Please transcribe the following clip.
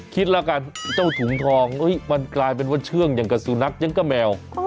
คิดแล้วกันเจ้าถุงทองมันกลายเป็นว่าเชื่องอย่างกับสุนัขยังก็แมว